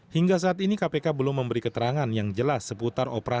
hingga saat ini kpk belum memberi keterangan yang jelas seputar operasi